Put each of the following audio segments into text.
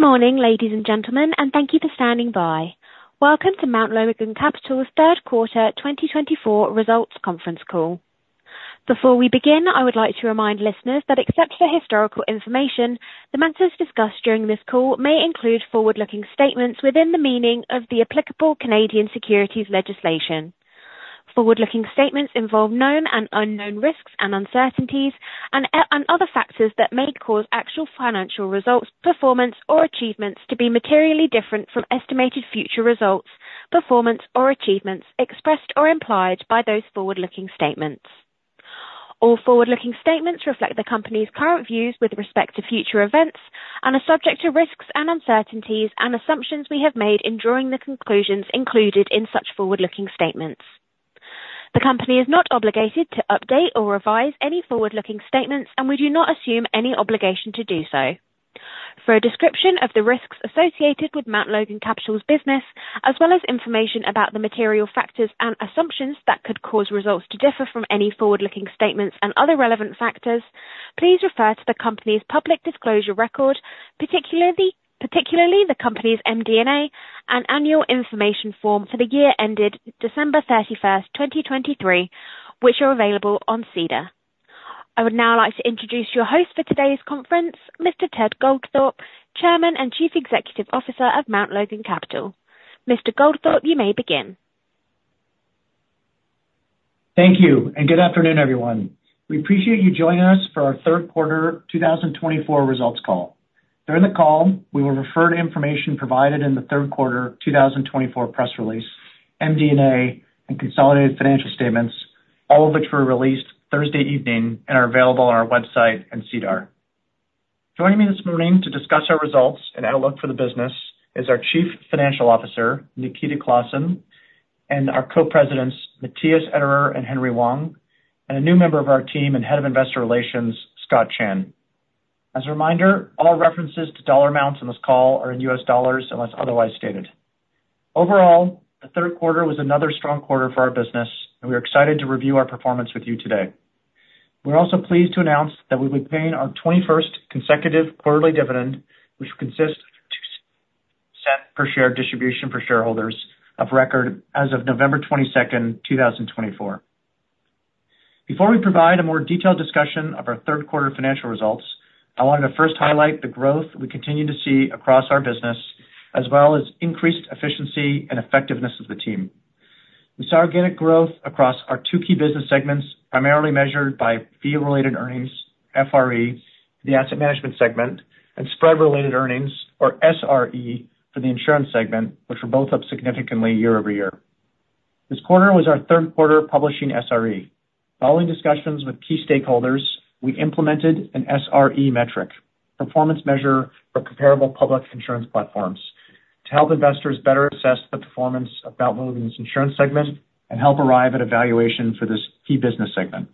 Good morning, ladies and gentlemen, and thank you for standing by. Welcome to Mount Logan Capital's third quarter 2024 results conference call. Before we begin, I would like to remind listeners that, except for historical information, the matters discussed during this call may include forward-looking statements within the meaning of the applicable Canadian securities legislation. Forward-looking statements involve known and unknown risks and uncertainties, and other factors that may cause actual financial results, performance, or achievements to be materially different from estimated future results, performance, or achievements expressed or implied by those forward-looking statements. All forward-looking statements reflect the company's current views with respect to future events and are subject to risks and uncertainties and assumptions we have made in drawing the conclusions included in such forward-looking statements. The company is not obligated to update or revise any forward-looking statements, and we do not assume any obligation to do so. For a description of the risks associated with Mount Logan Capital's business, as well as information about the material factors and assumptions that could cause results to differ from any forward-looking statements and other relevant factors, please refer to the company's public disclosure record, particularly the company's MD&A and annual information form for the year ended December 31st, 2023, which are available on SEDAR+. I would now like to introduce your host for today's conference, Mr. Ted Goldthorpe, Chairman and Chief Executive Officer of Mount Logan Capital. Mr. Goldthorpe, you may begin. Thank you, and good afternoon, everyone. We appreciate you joining us for our third quarter 2024 results call. During the call, we will refer to information provided in the third quarter 2024 press release, MD&A, and consolidated financial statements, all of which were released Thursday evening and are available on our website and SEDAR. Joining me this morning to discuss our results and outlook for the business is our Chief Financial Officer, Nikita Klassen, and our Co-Presidents, Matthias Ederer and Henry Wang, and a new member of our team and head of investor relations, Scott Chan. As a reminder, all references to dollar amounts in this call are in U.S. dollars unless otherwise stated. Overall, the third quarter was another strong quarter for our business, and we are excited to review our performance with you today. We're also pleased to announce that we will be paying our 21st consecutive quarterly dividend, which consists of a $0.02 per share distribution for shareholders of record as of November 22nd, 2024. Before we provide a more detailed discussion of our third quarter financial results, I wanted to first highlight the growth we continue to see across our business, as well as increased efficiency and effectiveness of the team. We saw organic growth across our two key business segments, primarily measured by fee-related earnings, FRE, the asset management segment, and spread-related earnings, or SRE, for the insurance segment, which were both up significantly year-over-year. This quarter was our third quarter publishing SRE. Following discussions with key stakeholders, we implemented an SRE metric, performance measure for comparable public insurance platforms, to help investors better assess the performance of Mount Logan's insurance segment and help arrive at a valuation for this key business segment.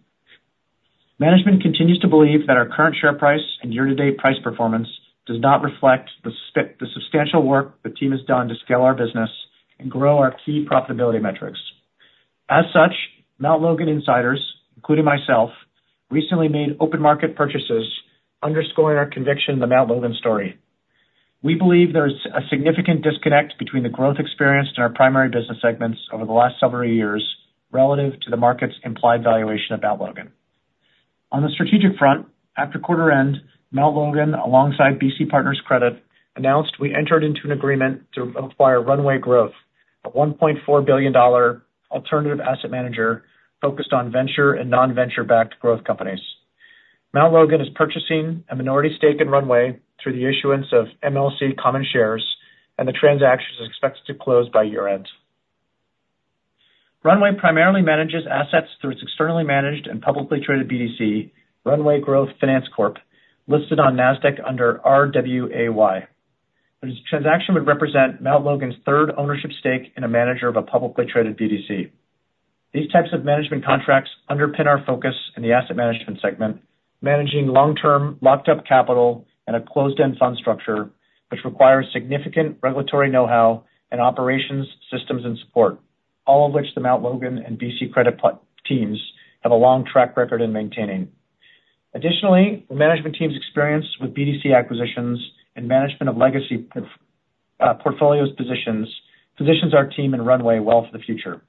Management continues to believe that our current share price and year-to-date price performance does not reflect the substantial work the team has done to scale our business and grow our key profitability metrics. As such, Mount Logan insiders, including myself, recently made open market purchases, underscoring our conviction in the Mount Logan story. We believe there is a significant disconnect between the growth experienced in our primary business segments over the last several years relative to the market's implied valuation of Mount Logan. On the strategic front, after quarter end, Mount Logan, alongside BC Partners Credit, announced we entered into an agreement to acquire Runway Growth, a $1.4 billion alternative asset manager focused on venture and non-venture-backed growth companies. Mount Logan is purchasing a minority stake in Runway through the issuance of MLC common shares, and the transaction is expected to close by year-end. Runway primarily manages assets through its externally managed and publicly traded BDC, Runway Growth Finance Corp, listed on Nasdaq under RWAY. The transaction would represent Mount Logan's third ownership stake in a manager of a publicly traded BDC. These types of management contracts underpin our focus in the asset management segment, managing long-term locked-up capital and a closed-end fund structure, which requires significant regulatory know-how and operations, systems, and support, all of which the Mount Logan and BC Credit teams have a long track record in maintaining. Additionally, the management team's experience with BDC acquisitions and management of legacy portfolio positions positions our team in Runway well for the future.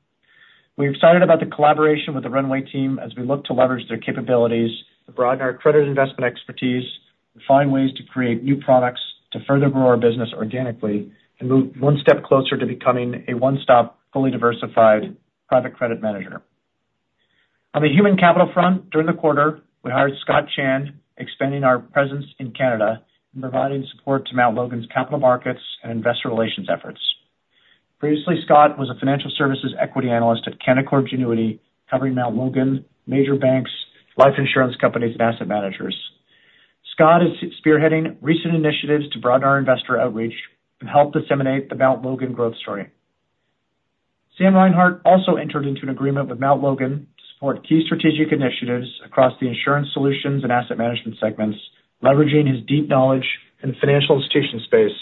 We're excited about the collaboration with the Runway team as we look to leverage their capabilities to broaden our credit investment expertise and find ways to create new products to further grow our business organically and move one step closer to becoming a one-stop, fully diversified private credit manager. On the human capital front, during the quarter, we hired Scott Chan, expanding our presence in Canada and providing support to Mount Logan's capital markets and investor relations efforts. Previously, Scott was a financial services equity analyst at Canaccord Genuity, covering Mount Logan, major banks, life insurance companies, and asset managers. Scott is spearheading recent initiatives to broaden our investor outreach and help disseminate the Mount Logan growth story. Sam Reinhardt also entered into an agreement with Mount Logan to support key strategic initiatives across the insurance solutions and asset management segments, leveraging his deep knowledge in the financial institution space,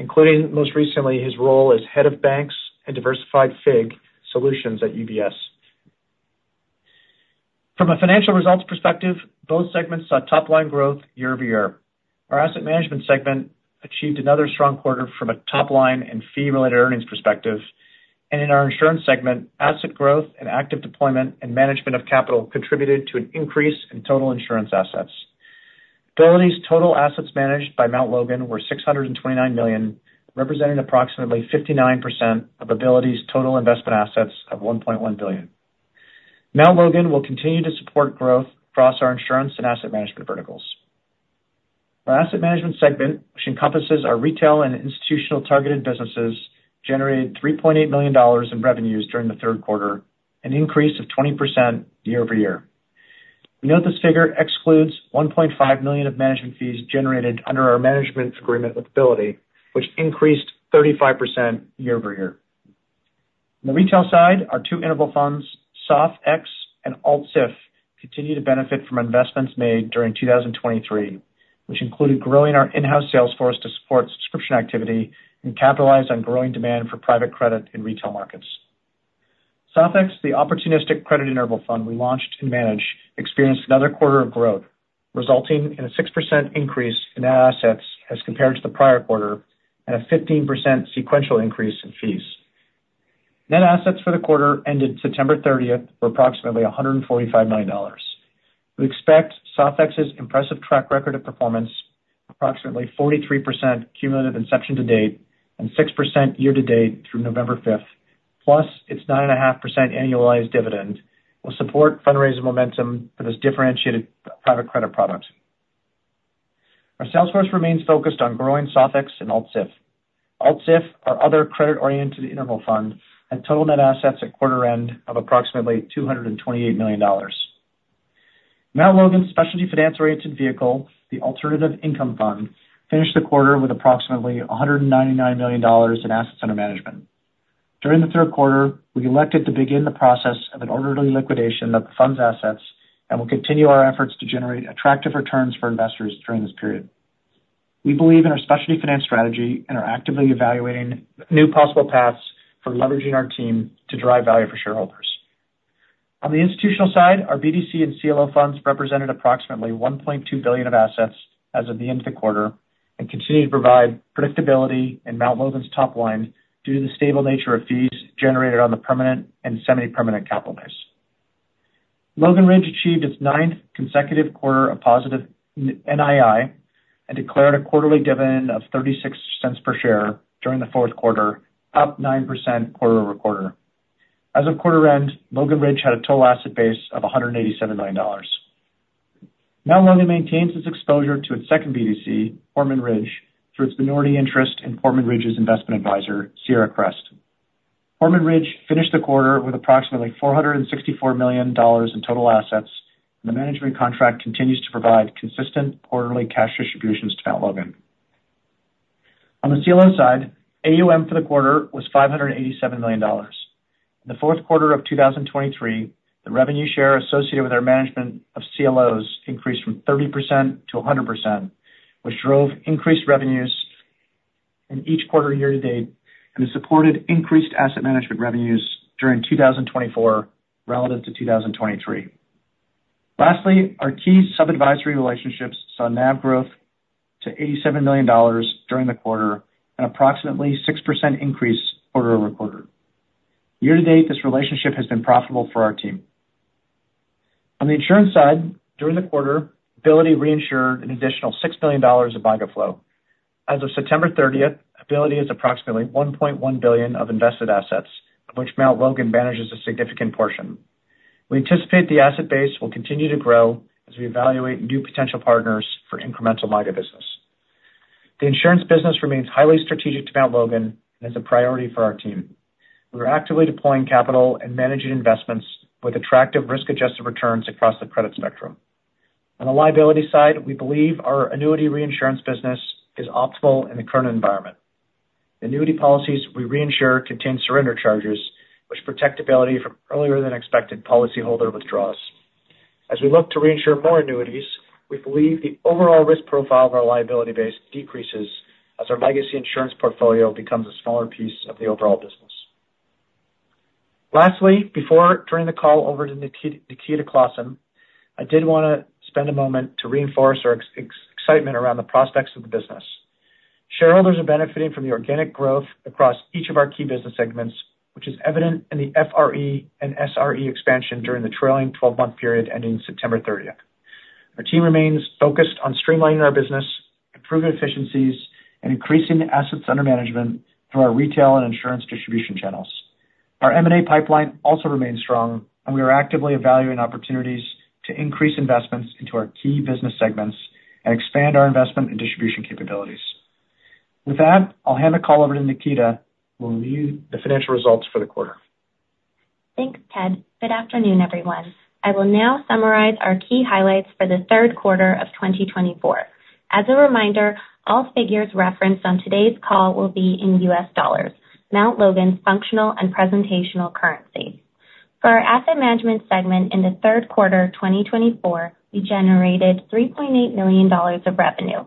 including most recently his role as head of banks and diversified FIG solutions at UBS. From a financial results perspective, both segments saw top-line growth year-over-year. Our asset management segment achieved another strong quarter from a top-line and fee-related earnings perspective, and in our insurance segment, asset growth and active deployment and management of capital contributed to an increase in total insurance assets. Ability's total assets managed by Mount Logan were $629 million, representing approximately 59% of Ability's total investment assets of $1.1 billion. Mount Logan will continue to support growth across our insurance and asset management verticals. Our asset management segment, which encompasses our retail and institutional targeted businesses, generated $3.8 million in revenues during the third quarter, an increase of 20% year-over-year. We note this figure excludes $1.5 million of management fees generated under our management agreement with Ability, which increased 35% year-over-year. On the retail side, our two interval funds, MLOFX and ACIF, continue to benefit from investments made during 2023, which included growing our in-house sales force to support subscription activity and capitalize on growing demand for private credit in retail markets. MLOFX, the opportunistic credit interval fund we launched and managed, experienced another quarter of growth, resulting in a 6% increase in net assets as compared to the prior quarter and a 15% sequential increase in fees. Net assets for the quarter ended September 30th were approximately $145 million. We expect MLOFX's impressive track record of performance, approximately 43% cumulative inception to date and 6% year to date through November 5th, plus its 9.5% annualized dividend, will support fundraising momentum for this differentiated private credit product. Our sales force remains focused on growing MLOFX and ACIF. ACIF, our other credit-oriented interval fund, had total net assets at quarter end of approximately $228 million. Mount Logan's specialty finance-oriented vehicle, the alternative income fund, finished the quarter with approximately $199 million in assets under management. During the third quarter, we elected to begin the process of an orderly liquidation of the fund's assets and will continue our efforts to generate attractive returns for investors during this period. We believe in our specialty finance strategy and are actively evaluating new possible paths for leveraging our team to drive value for shareholders. On the institutional side, our BDC and CLO funds represented approximately $1.2 billion of assets as of the end of the quarter and continue to provide predictability in Mount Logan's top line due to the stable nature of fees generated on the permanent and semi-permanent capital base. Logan Ridge achieved its ninth consecutive quarter of positive NII and declared a quarterly dividend of $0.36 per share during the fourth quarter, up 9% quarter-over-quarter. As of quarter end, Logan Ridge had a total asset base of $187 million. Mount Logan maintains its exposure to its second BDC, Portman Ridge, through its minority interest in Portman Ridge's investment advisor, Sierra Crest. Portman Ridge finished the quarter with approximately $464 million in total assets, and the management contract continues to provide consistent quarterly cash distributions to Mount Logan. On the CLO side, AUM for the quarter was $587 million. In the fourth quarter of 2023, the revenue share associated with our management of CLOs increased from 30% to 100%, which drove increased revenues in each quarter year to date and has supported increased asset management revenues during 2024 relative to 2023. Lastly, our key sub-advisory relationships saw NAV growth to $87 million during the quarter and approximately 6% increase quarter-over-quarter. Year to date, this relationship has been profitable for our team. On the insurance side, during the quarter, Ability reinsured an additional $6 million of Vantage flow. As of September 30th, Ability has approximately $1.1 billion of invested assets, of which Mount Logan manages a significant portion. We anticipate the asset base will continue to grow as we evaluate new potential partners for incremental Vantage business. The insurance business remains highly strategic to Mount Logan and is a priority for our team. We are actively deploying capital and managing investments with attractive risk-adjusted returns across the credit spectrum. On the liability side, we believe our annuity reinsurance business is optimal in the current environment. The annuity policies we reinsure contain surrender charges, which protect Ability from earlier-than-expected policyholder withdrawals. As we look to reinsure more annuities, we believe the overall risk profile of our liability base decreases as our legacy insurance portfolio becomes a smaller piece of the overall business. Lastly, before turning the call over to Nikita Klassen, I did want to spend a moment to reinforce our excitement around the prospects of the business. Shareholders are benefiting from the organic growth across each of our key business segments, which is evident in the FRE and SRE expansion during the trailing 12-month period ending September 30th. Our team remains focused on streamlining our business, improving efficiencies, and increasing assets under management through our retail and insurance distribution channels. Our M&A pipeline also remains strong, and we are actively evaluating opportunities to increase investments into our key business segments and expand our investment and distribution capabilities. With that, I'll hand the call over to Nikita, who will review the financial results for the quarter. Thanks, Ted. Good afternoon, everyone. I will now summarize our key highlights for the third quarter of 2024. As a reminder, all figures referenced on today's call will be in U.S. dollars, Mount Logan's functional and presentational currency. For our asset management segment in the third quarter of 2024, we generated $3.8 million of revenue.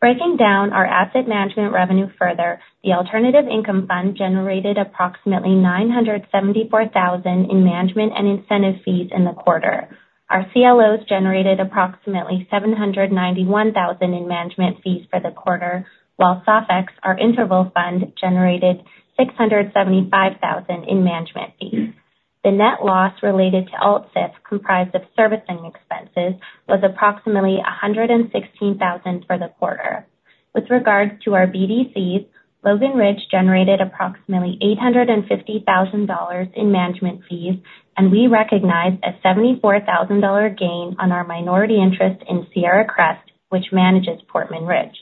Breaking down our asset management revenue further, the alternative income fund generated approximately $974,000 in management and incentive fees in the quarter. Our CLOs generated approximately $791,000 in management fees for the quarter, while MLOFX, our interval fund, generated $675,000 in management fees. The net loss related to ACIF, comprised of servicing expenses, was approximately $116,000 for the quarter. With regards to our BDCs, Logan Ridge generated approximately $850,000 in management fees, and we recognize a $74,000 gain on our minority interest in Sierra Crest, which manages Portman Ridge.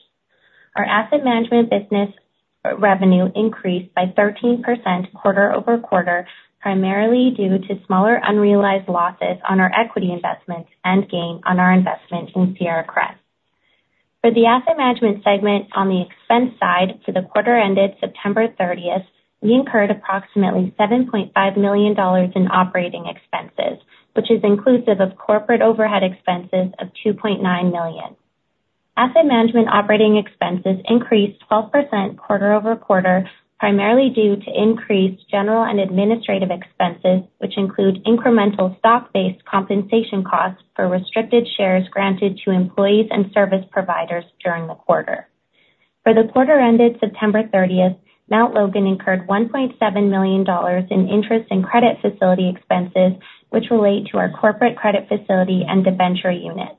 Our asset management business revenue increased by 13% quarter-over-quarter, primarily due to smaller unrealized losses on our equity investments and gain on our investment in Sierra Crest. For the asset management segment on the expense side, for the quarter ended September 30th, we incurred approximately $7.5 million in operating expenses, which is inclusive of corporate overhead expenses of $2.9 million. Asset management operating expenses increased 12% quarter-over-quarter, primarily due to increased general and administrative expenses, which include incremental stock-based compensation costs for restricted shares granted to employees and service providers during the quarter. For the quarter ended September 30th, Mount Logan incurred $1.7 million in interest and credit facility expenses, which relate to our corporate credit facility and debenture unit.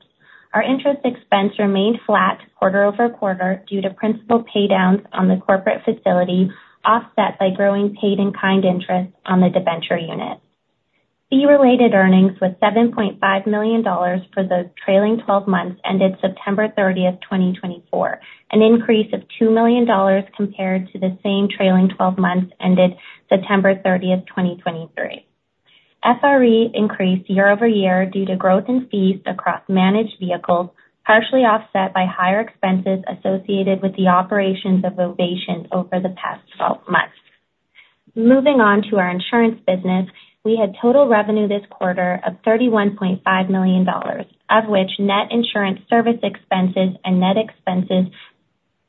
Our interest expense remained flat quarter-over-quarter due to principal paydowns on the corporate facility offset by growing paid-in-kind interest on the debenture unit. Fee-related earnings were $7.5 million for the trailing 12 months ended September 30th, 2024, an increase of $2 million compared to the same trailing 12 months ended September 30th, 2023. FRE increased year-over-year due to growth in fees across managed vehicles, partially offset by higher expenses associated with the operations of Ovation over the past 12 months. Moving on to our insurance business, we had total revenue this quarter of $31.5 million, of which net insurance service expenses and net expenses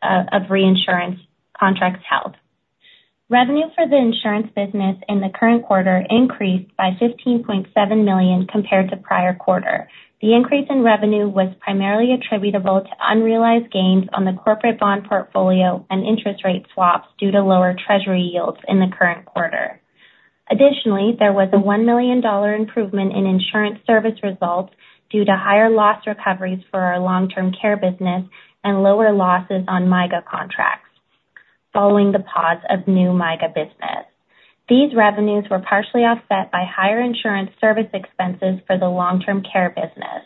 of reinsurance contracts held. Revenue for the insurance business in the current quarter increased by $15.7 million compared to prior quarter. The increase in revenue was primarily attributable to unrealized gains on the corporate bond portfolio and interest rate swaps due to lower treasury yields in the current quarter. Additionally, there was a $1 million improvement in insurance service results due to higher loss recoveries for our long-term care business and lower losses on MYGA contracts following the pause of new MYGA business. These revenues were partially offset by higher insurance service expenses for the long-term care business.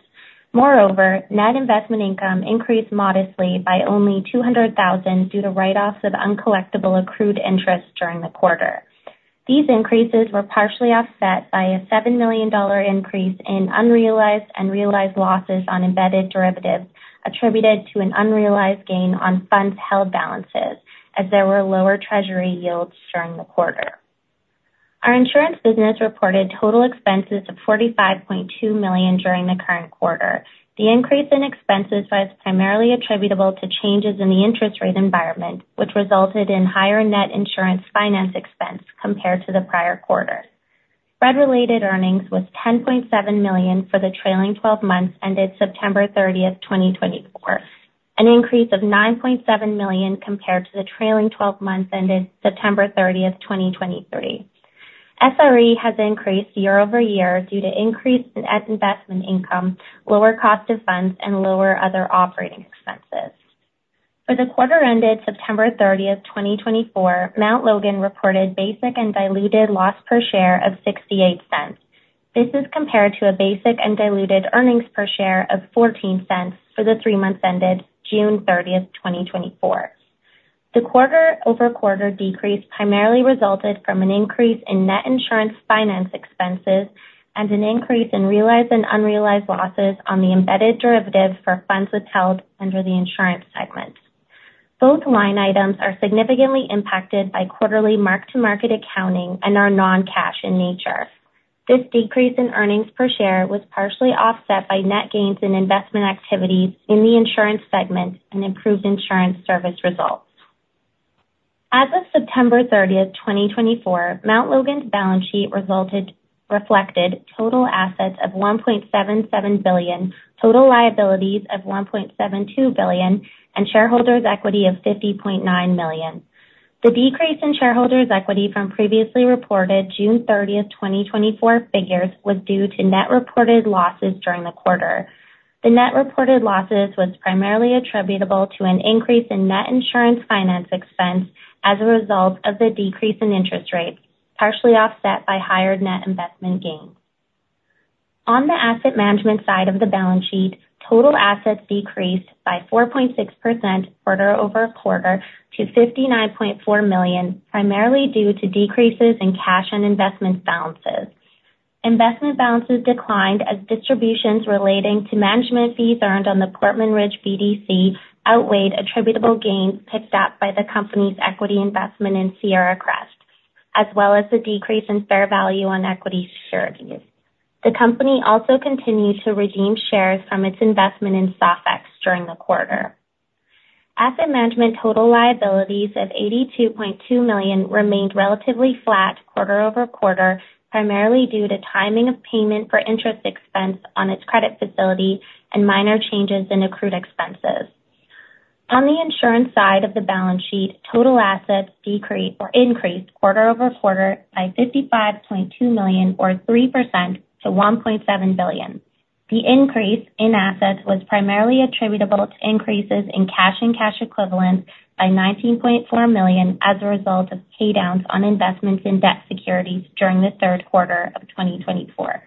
Moreover, net investment income increased modestly by only $200,000 due to write-offs of uncollectible accrued interest during the quarter. These increases were partially offset by a $7 million increase in unrealized and realized losses on embedded derivatives attributed to an unrealized gain on funds held balances, as there were lower treasury yields during the quarter. Our insurance business reported total expenses of $45.2 million during the current quarter. The increase in expenses was primarily attributable to changes in the interest rate environment, which resulted in higher net insurance finance expense compared to the prior quarter. Spread-related earnings were $10.7 million for the trailing 12 months ended September 30th, 2024, an increase of $9.7 million compared to the trailing 12 months ended September 30th, 2023. SRE has increased year-over-year due to increased net investment income, lower cost of funds, and lower other operating expenses. For the quarter ended September 30th, 2024, Mount Logan reported basic and diluted loss per share of $0.68. This is compared to a basic and diluted earnings per share of $0.14 for the three months ended June 30th, 2024. The quarter-over-quarter decrease primarily resulted from an increase in net insurance finance expenses and an increase in realized and unrealized losses on the embedded derivatives for funds withheld under the insurance segment. Both line items are significantly impacted by quarterly mark-to-market accounting and are non-cash in nature. This decrease in earnings per share was partially offset by net gains in investment activities in the insurance segment and improved insurance service results. As of September 30th, 2024, Mount Logan's balance sheet reflected total assets of $1.77 billion, total liabilities of $1.72 billion, and shareholders' equity of $50.9 million. The decrease in shareholders' equity from previously reported June 30th, 2024, figures was due to net reported losses during the quarter. The net reported losses were primarily attributable to an increase in net insurance finance expense as a result of the decrease in interest rates, partially offset by higher net investment gains. On the asset management side of the balance sheet, total assets decreased by 4.6% quarter-over-quarter to $59.4 million, primarily due to decreases in cash and investment balances. Investment balances declined as distributions relating to management fees earned on the Portman Ridge BDC outweighed attributable gains picked up by the company's equity investment in Sierra Crest, as well as the decrease in fair value on equity securities. The company also continued to redeem shares from its investment in MLOFX during the quarter. Asset management total liabilities of $82.2 million remained relatively flat quarter-over-quarter, primarily due to timing of payment for interest expense on its credit facility and minor changes in accrued expenses. On the insurance side of the balance sheet, total assets decreased or increased quarter-over-quarter by $55.2 million, or 3%, to $1.7 billion. The increase in assets was primarily attributable to increases in cash and cash equivalents by $19.4 million as a result of paydowns on investments in debt securities during the third quarter of 2024.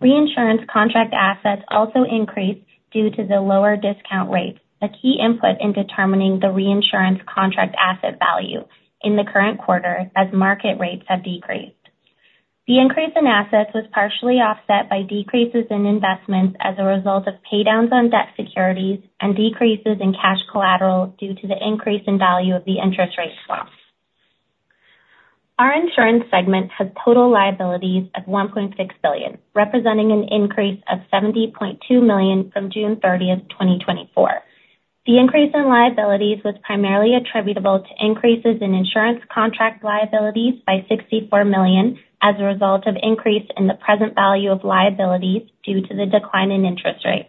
Reinsurance contract assets also increased due to the lower discount rates, a key input in determining the reinsurance contract asset value in the current quarter as market rates have decreased. The increase in assets was partially offset by decreases in investments as a result of paydowns on debt securities and decreases in cash collateral due to the increase in value of the interest rate swaps. Our insurance segment has total liabilities of $1.6 billion, representing an increase of $70.2 million from June 30th, 2024. The increase in liabilities was primarily attributable to increases in insurance contract liabilities by $64 million as a result of increase in the present value of liabilities due to the decline in interest rates.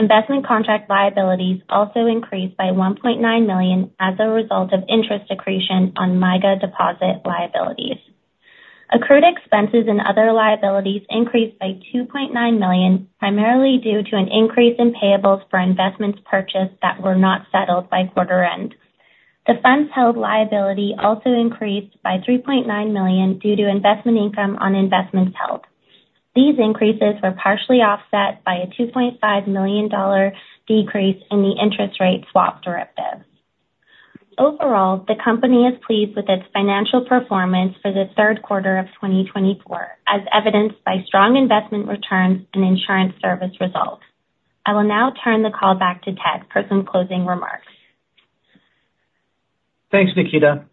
Investment contract liabilities also increased by $1.9 million as a result of interest accretion on MYGA deposit liabilities. Accrued expenses and other liabilities increased by $2.9 million, primarily due to an increase in payables for investments purchased that were not settled by quarter end. The funds held liability also increased by $3.9 million due to investment income on investments held. These increases were partially offset by a $2.5 million decrease in the interest rate swap derivatives. Overall, the company is pleased with its financial performance for the third quarter of 2024, as evidenced by strong investment returns and insurance service results. I will now turn the call back to Ted for some closing remarks. Thanks, Nikita.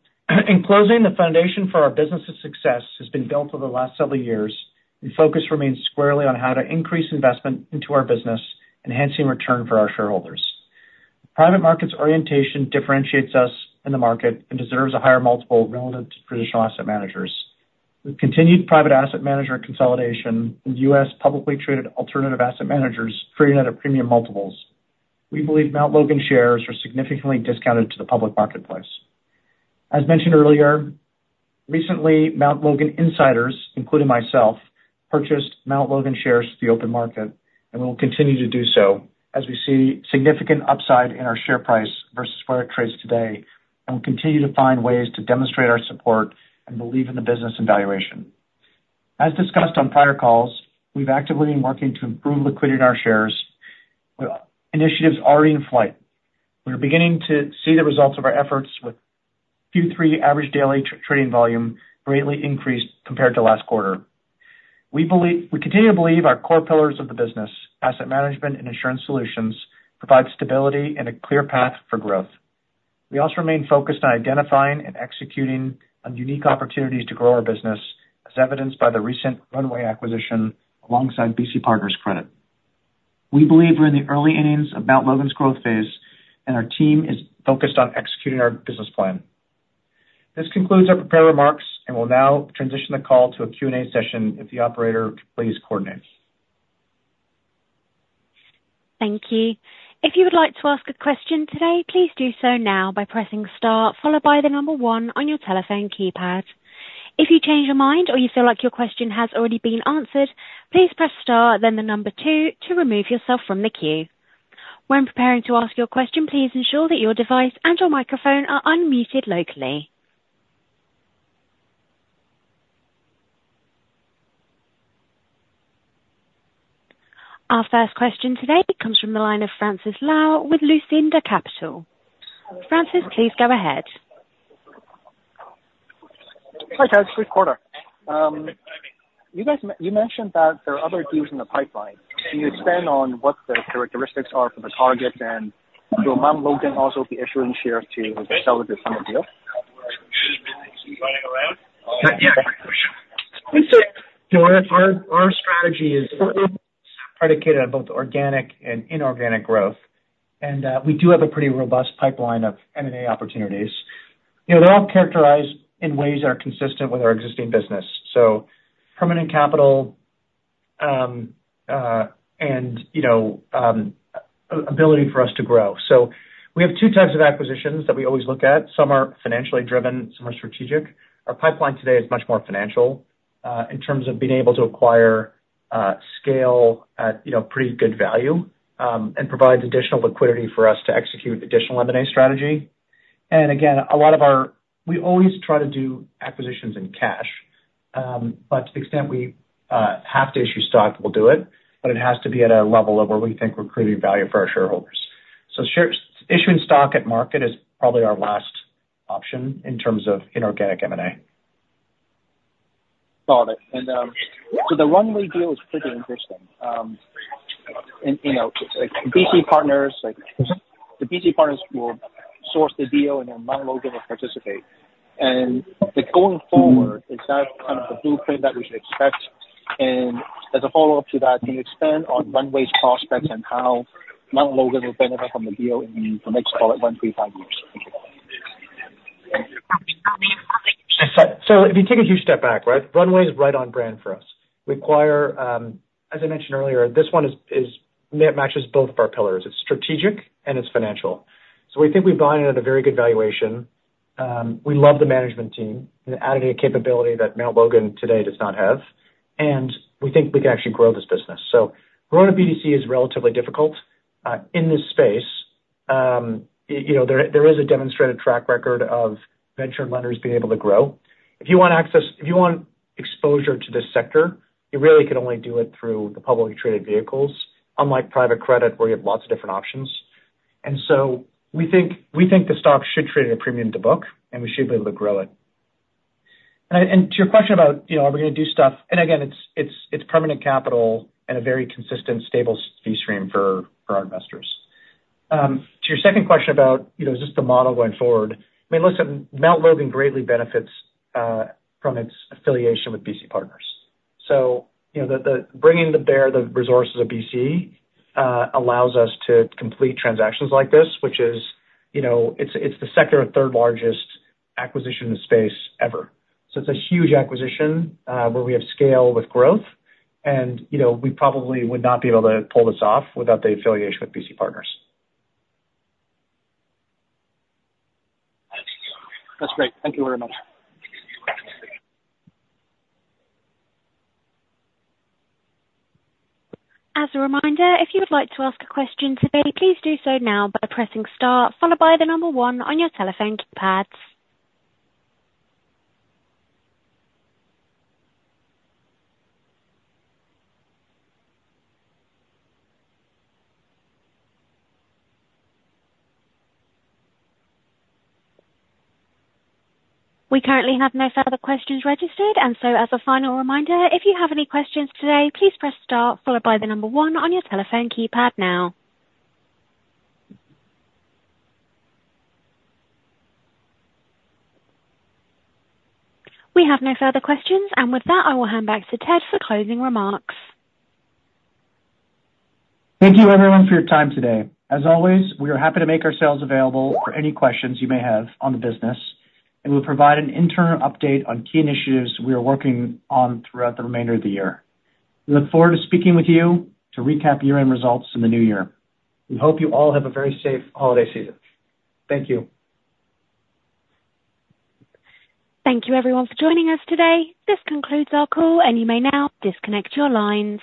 In closing, the foundation for our business's success has been built over the last several years, and focus remains squarely on how to increase investment into our business, enhancing return for our shareholders. Private markets orientation differentiates us in the market and deserves a higher multiple relative to traditional asset managers. With continued private asset manager consolidation and U.S. publicly traded alternative asset managers trading at a premium multiples, we believe Mount Logan shares are significantly discounted to the public marketplace. As mentioned earlier, recently, Mount Logan insiders, including myself, purchased Mount Logan shares through the open market, and we will continue to do so as we see significant upside in our share price versus where it trades today, and we'll continue to find ways to demonstrate our support and believe in the business and valuation. As discussed on prior calls, we've actively been working to improve liquidity in our shares with initiatives already in flight. We are beginning to see the results of our efforts, with Q3 average daily trading volume greatly increased compared to last quarter. We continue to believe our core pillars of the business, asset management and insurance solutions, provide stability and a clear path for growth. We also remain focused on identifying and executing on unique opportunities to grow our business, as evidenced by the recent Runway acquisition alongside BC Partners Credit. We believe we're in the early innings of Mount Logan's growth phase, and our team is focused on executing our business plan. This concludes our prepared remarks, and we'll now transition the call to a Q&A session if the operator can please coordinate. Thank you. If you would like to ask a question today, please do so now by pressing star, followed by the number one on your telephone keypad. If you change your mind or you feel like your question has already been answered, please press star, then the number two to remove yourself from the queue. When preparing to ask your question, please ensure that your device and your microphone are unmuted locally. Our first question today comes from the line of Francis Lau with Lucida Capital. Francis, please go ahead. Hi, guys. Quick question. You mentioned that there are other deals in the pipeline. Can you expand on what the characteristics are for the target, and will Mount Logan also be issuing shares to sell at the similar deal? Our strategy is predicated on both organic and inorganic growth, and we do have a pretty robust pipeline of M&A opportunities. They're all characterized in ways that are consistent with our existing business, so permanent capital and ability for us to grow. So we have two types of acquisitions that we always look at. Some are financially driven, some are strategic. Our pipeline today is much more financial in terms of being able to acquire scale at pretty good value and provides additional liquidity for us to execute additional M&A strategy. And again, a lot of our, we always try to do acquisitions in cash, but to the extent we have to issue stock, we'll do it, but it has to be at a level of where we think we're creating value for our shareholders. So issuing stock at market is probably our last option in terms of inorganic M&A. Got it. And so the Runway deal is pretty interesting. The BC Partners will source the deal, and then Mount Logan will participate. And going forward, is that kind of the blueprint that we should expect? And as a follow-up to that, can you expand on Runway's prospects and how Mount Logan will benefit from the deal in the next, call it, one to five years? So if you take a huge step back, right, Runway is right on brand for us. As I mentioned earlier, this one matches both of our pillars. It's strategic, and it's financial. So we think we've gotten it at a very good valuation. We love the management team and added a capability that Mount Logan today does not have, and we think we can actually grow this business. So growing a BDC is relatively difficult. In this space, there is a demonstrated track record of venture lenders being able to grow. If you want access, if you want exposure to this sector, you really can only do it through the publicly traded vehicles, unlike private credit where you have lots of different options. And so we think the stock should trade at a premium to book, and we should be able to grow it. To your question about are we going to do stuff, and again, it is permanent capital and a very consistent, stable fee stream for our investors. To your second question about just the model going forward, I mean, Mount Logan greatly benefits from its affiliation with BC Partners. So bringing to bear the resources of BC allows us to complete transactions like this, which is, it is the second or third largest acquisition in the space ever. It's a huge acquisition where we have scale with growth, and we probably would not be able to pull this off without the affiliation with BC Partners. That's great. Thank you very much. As a reminder, if you would like to ask a question today, please do so now by pressing star, followed by the number one on your telephone keypads. We currently have no further questions registered, and so as a final reminder, if you have any questions today, please press star, followed by the number one on your telephone keypad now. We have no further questions, and with that, I will hand back to Ted for closing remarks. Thank you, everyone, for your time today. As always, we are happy to make ourselves available for any questions you may have on the business, and we'll provide an internal update on key initiatives we are working on throughout the remainder of the year. We look forward to speaking with you to recap year-end results in the new year. We hope you all have a very safe holiday season. Thank you. Thank you, everyone, for joining us today. This concludes our call, and you may now disconnect your lines.